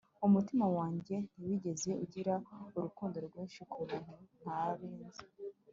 Umutima wanjye ntiwigeze ugira urukundo rwinshi kumuntu ntari nzi